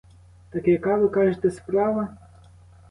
Так яка, ви кажете, справа?